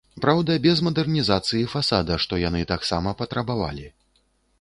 Праўда, без мадэрнізацыі фасада, што яны таксама патрабавалі.